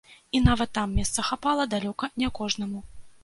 І нават там месца хапала далёка не кожнаму.